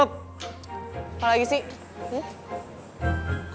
apa lagi sih